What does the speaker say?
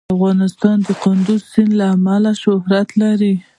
افغانستان د کندز سیند له امله شهرت لري.